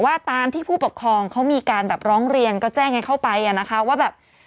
ว่าตามที่ผู้ปกครองเขามีการแบบร้องเรียนก็แจ้งให้เข้าไปอ่ะนะคะว่าแบบ